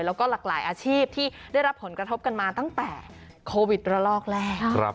แล้วก็หลากหลายอาชีพที่ได้รับผลกระทบกันมาตั้งแต่โควิดระลอกแรก